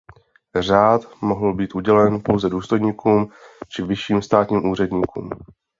Řád mohl být udělen pouze důstojníkům či vyšším státním úředníkům.